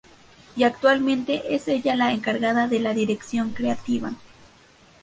Y actualmente es ella la encargada de la dirección creativa.